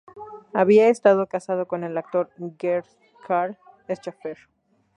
Había estado casada con el actor Gert Karl Schaefer.